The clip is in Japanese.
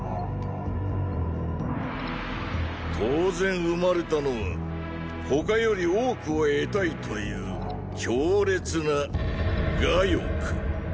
当然生まれたのは“他より多くを得たい”という強烈な我欲。